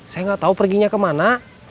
saya nggak tahu perginya kemana